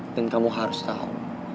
dan kamu harus tahu